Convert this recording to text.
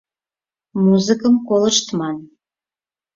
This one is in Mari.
Музыкым колыштман.